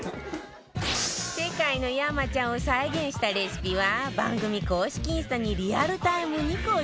世界の山ちゃんを再現したレシピは番組公式インスタにリアルタイムに更新中